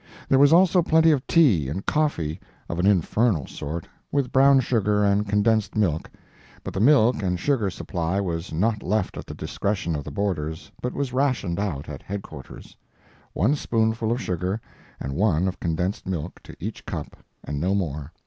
There was also plenty of tea and coffee of an infernal sort, with brown sugar and condensed milk, but the milk and sugar supply was not left at the discretion of the boarders, but was rationed out at headquarters—one spoonful of sugar and one of condensed milk to each cup and no more.